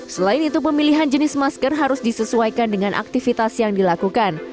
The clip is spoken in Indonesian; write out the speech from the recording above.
selain itu pemilihan jenis masker harus disesuaikan dengan aktivitas yang dilakukan